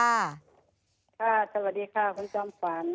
ค่ะสวัสดีค่ะคุณจ้อมฟัน